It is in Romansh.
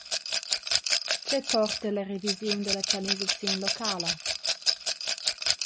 Tgei porta la revisiun dalla planisaziun locala?